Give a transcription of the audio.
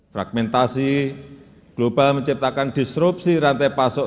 fragmentasi global menciptakan disrupsi rantai pasok